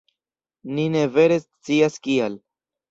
Ni ne vere scias, kial.